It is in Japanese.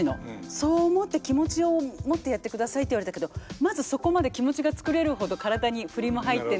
そう思って気持ちを持ってやってくださいって言われたけどまだそこまで気持ちが作れるほど体に振りも入ってないんで。